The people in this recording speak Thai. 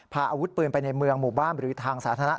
พาอาวุธปืนไปในเมืองหมู่บ้านหรือทางสาธารณะ